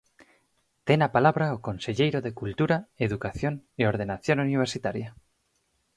Ten a palabra o conselleiro de Cultura, Educación e Ordenación Universitaria.